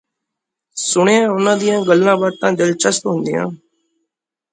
ਸੁਣਿਐਂ ਉਨ੍ਹਾਂ ਦੀਆਂ ਗੱਲਾਂ ਬਾਤਾਂ ਦਿਲਚਸਪ ਹੁੰਦੀਐਂ